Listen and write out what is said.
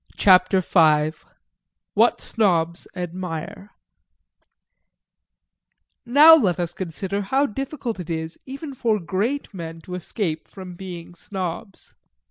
CHAPTER V WHAT SNOBS ADMIRE Now let us consider how difficult it is even for great men to escape from being Snobs.